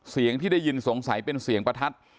เสียงที่ได้ยินสงสัยเป็นเสียงประทัด